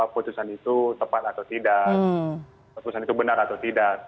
putusan itu tepat atau tidak putusan itu benar atau tidak